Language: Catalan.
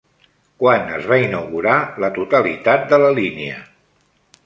Quan es va inaugurar la totalitat de la línia?